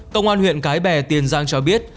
công an huyện cái bè tiền giang cho biết